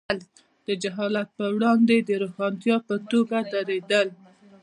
د جهالت پر وړاندې د روښانتیا په توګه درېدل.